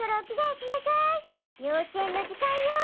ようちえんのじかんよ！